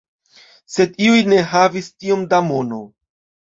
Sed iuj ne havis tiom da mono.